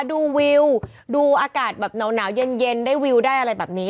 ดูวิวดูอากาศแบบหนาวเย็นได้วิวได้อะไรแบบนี้